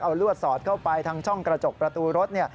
เอาลวดสอดเข้าไปทางช่องกระจกประตูรถ